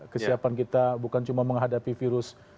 kesiapan kita bukan cuma menghadapi virus